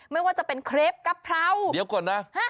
ไม่ว่าจะเป็นเครปกะเพราเดี๋ยวก่อนนะ